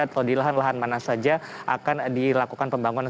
atau di lahan lahan mana saja akan dilakukan pembangunan